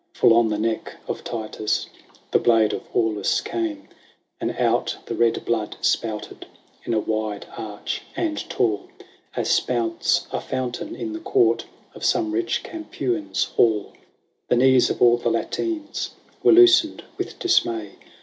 Full on the neck of Titus The blade of Aulus came : And out the red blood spouted, ' In a wide arch and tall. As spouts a fountain in the court Of some rich Capuan's hall. The knees of all the Latines "Were loosened with dismay.